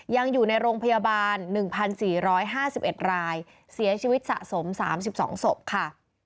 ยังอยู่ในโรงพยาบาลหนึ่งพันสี่ร้อยห้าสิบเอ็ดรายเสียชีวิตสะสมสามสิบสองศพค่ะ